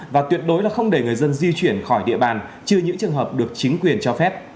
và tuyệt đối là không để người dân di chuyển khỏi địa bàn trừ những trường hợp được chính quyền cho phép